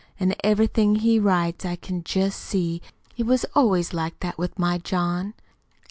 And everything he writes I can just see. It was always like that with my John.